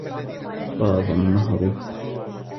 فَاضَ النَّهْرُ.